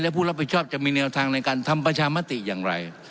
และผู้รับผิดชอบจะมีแนวทางในการทำประชามติอย่างไร